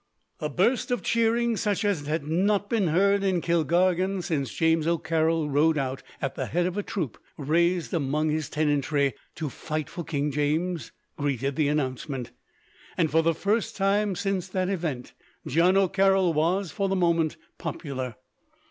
A burst of cheering, such as had not been heard in Kilkargan since James O'Carroll rode out, at the head of a troop raised among his tenantry, to fight for King James, greeted the announcement; and, for the first time since that event, John O'Carroll was, for the moment, popular.